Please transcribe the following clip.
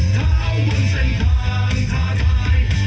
เราคือคนขีดเส้นทาง